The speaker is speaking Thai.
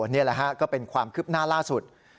นี่แหละฮะก็เป็นความคืบหน้าล่าสุด